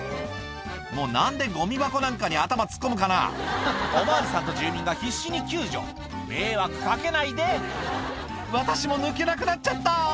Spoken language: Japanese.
もう何でゴミ箱なんかに頭突っ込むかなお巡りさんと住民が必死に救助迷惑かけないで「私も抜けなくなっちゃった」